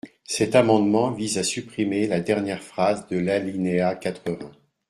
Cet amendement vise à supprimer la dernière phrase de l’alinéa quatre-vingts.